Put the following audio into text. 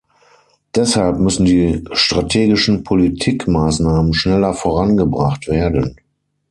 Deshalb müssen die strategischen Politikmaßnahmen schneller vorangebracht werden.